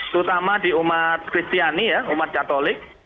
terutama di umat kristiani ya umat katolik